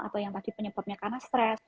atau yang tadi penyebabnya karena stres